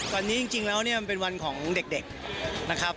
ตอนนี้จริงแล้วเนี่ยมันเป็นวันของเด็กนะครับ